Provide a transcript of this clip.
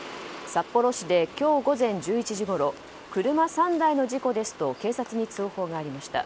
札幌市で今日午前１１時ごろ車３台の事故ですと警察に通報がありました。